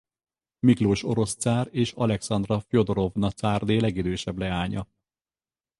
Miklós orosz cár és Alekszandra Fjodorovna cárné legidősebb leánya.